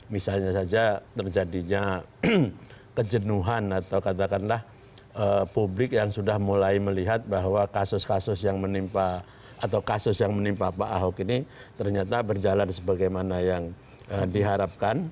misalnya saja terjadinya kejenuhan atau katakanlah publik yang sudah mulai melihat bahwa kasus kasus yang menimpa atau kasus yang menimpa pak ahok ini ternyata berjalan sebagaimana yang diharapkan